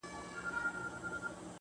صفت زما مه كوه مړ به مي كړې.